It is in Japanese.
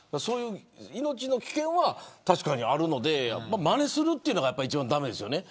命の危険は確かにあるのでまねするというのが一番駄目ですよね。